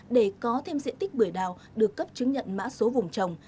để có thêm diện tích bưởi đào được cấp chứng nhận mã số vùng trồng